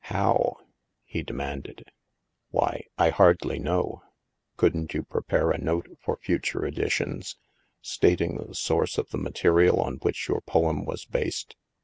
" How ?" he demanded. *'Why, I hardly know. Couldn't you prepare it HAVEN 305 a note for future editions, stating the source of the material on which your poem was based?